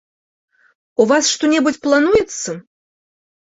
У вас што-небудзь плануецца?